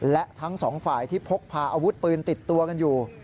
และทั้งสองฝ่ายที่พกพาอาวุธปืนติดตัวกันอยู่